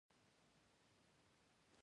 د همدې چوخې په زور لنګرچلیږي